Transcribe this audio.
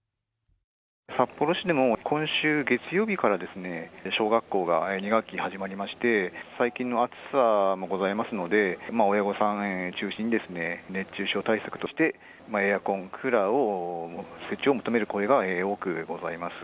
札幌市でも今週月曜日から小学校が２学期始まりまして、最近の暑さもございますので、親御さん中心に、熱中症対策として、エアコン、クーラーを、設置を求める声が多くございます。